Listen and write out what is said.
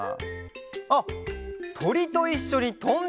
あっとりといっしょにとんでみたい！